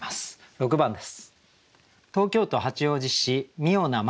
６番です。